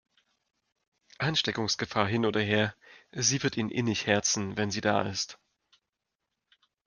Ansteckungsgefahr hin oder her, sie wird ihn innig herzen, wenn sie da ist.